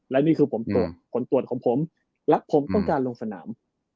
และนี่คือผลตรวจผลตรวจของผมรักผมต้องการลงสนาม